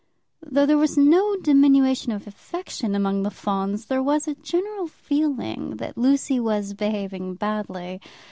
Though there was no diminution of affection among the Fawns, there was a general feeling that Lucy was behaving badly.